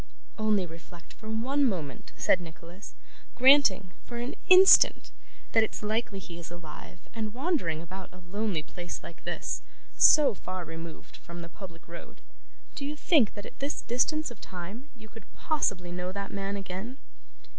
'Only reflect for one moment,' said Nicholas; 'granting, for an instant, that it's likely he is alive and wandering about a lonely place like this, so far removed from the public road, do you think that at this distance of time you could possibly know that man again?